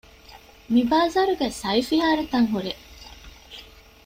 މިބާޒާރުގައި ސައިފިހާރަތައް ހުރޭ